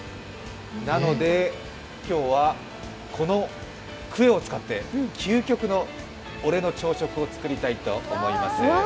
なので、今日はこのクエを使って究極の俺の朝食を作りたいと思います。